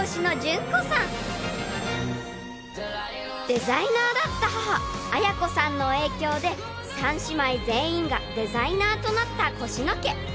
［デザイナーだった母綾子さんの影響で３姉妹全員がデザイナーとなったコシノ家］